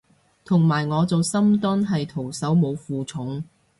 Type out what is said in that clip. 同埋我做深蹲係徒手冇負重